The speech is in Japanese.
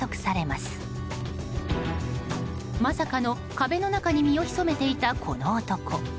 まさかの壁の中に身を潜めていた、この男。